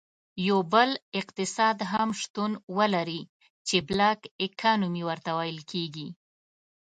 یو بل اقتصاد هم شتون ولري چې Black Economy ورته ویل کیږي.